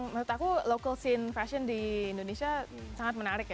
menurut aku local scene fashion di indonesia sangat menarik ya